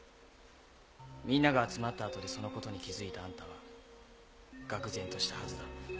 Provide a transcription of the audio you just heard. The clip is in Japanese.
みんなが集まった後でそのことに気付いたあんたはがく然としたはずだ。